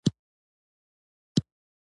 • د ورځې لمونځ د روح تسکین ورکوي.